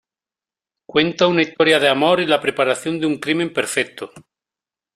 Cuenta una historia de amor y la preparación de un crimen perfecto.